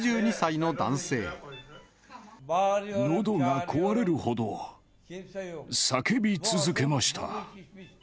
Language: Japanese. のどが壊れるほど叫び続けました。